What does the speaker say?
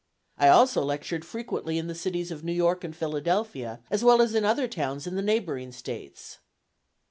I also lectured frequently in the cities of New York and Philadelphia, as well as in other towns in the neighboring States.